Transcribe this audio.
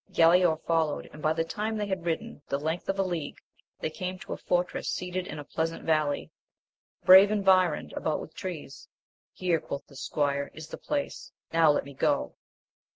Galaor followed, and^ by the time they had ridden the length of a league, they came to a fortress, seated in a pleasant valley, bravely environed about with trees ; Here, quoth the squire, is the place, now let me go